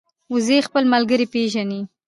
وزې خپل ملګري پېژني